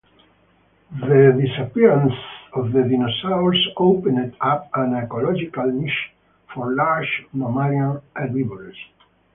The disappearance of the dinosaurs opened up an ecological niche for large mammalian herbivores.